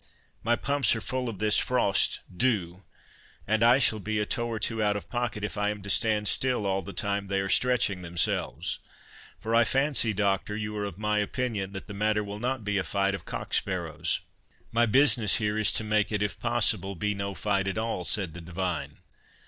My pumps are full of this frost dew; and I shall be a toe or two out of pocket, if I am to stand still all the time they are stretching themselves; for, I fancy, Doctor, you are of my opinion, that the matter will not be a fight of cock sparrows." "My business here is to make it, if possible, be no fight at all," said the divine.